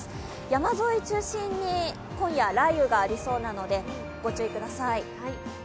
山沿いを中心に今夜、雷雨がありそうなので、ご注意ください。